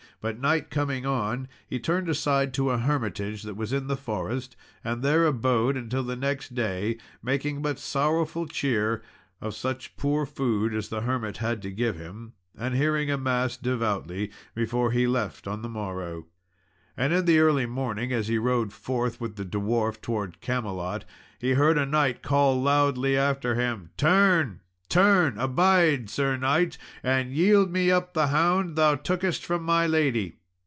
But night coming on, he turned aside to a hermitage that was in the forest, and there abode till the next day, making but sorrowful cheer of such poor food as the hermit had to give him, and hearing a Mass devoutly before he left on the morrow. And in the early morning, as he rode forth with the dwarf towards Camelot, he heard a knight call loudly after him, "Turn, turn! Abide, Sir knight, and yield me up the hound thou tookest from my lady."